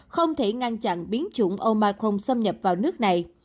không thể ngăn chặn biến chủng omicron xâm nhập vào nước này